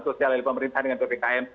sosial dari pemerintah dengan ppkm